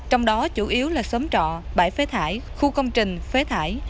trong đó chủ yếu là xóm trọ bãi phế thải khu công trình phế thải